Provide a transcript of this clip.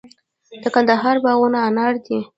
د کندهار باغونه انار دي